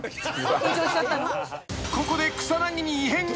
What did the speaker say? ［ここで草薙に異変が。